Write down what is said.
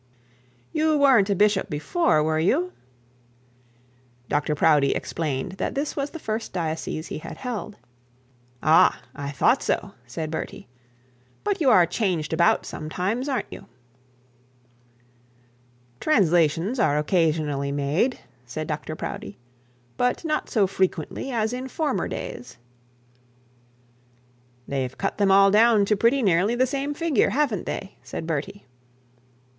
'You weren't a bishop before, were you?' Dr Proudie explained that this was the first diocese he had held. 'Ah I thought so,' said Bertie; 'but you are changed about sometimes, a'nt you?' 'Translations are occasionally made,' said Dr Proudie; 'but not so frequently as in former days. 'They've cut them all down to pretty nearly the same figure, haven't they?' said Bertie.